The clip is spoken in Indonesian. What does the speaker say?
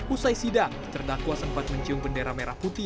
usai sidang terdakwa sempat mencium bendera merah putih